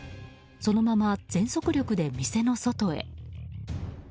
そのまま全速力で店の外へ。